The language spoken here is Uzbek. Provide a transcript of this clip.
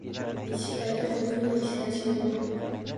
Eshikdagi qulfning ishlashi yomon.